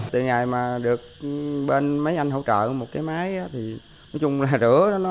từ ngày mà được bên mấy anh hỗ trợ một cái máy thì nói chung là rửa đó